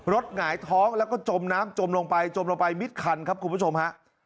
หงายท้องแล้วก็จมน้ำจมลงไปจมลงไปมิดคันครับคุณผู้ชมฮะ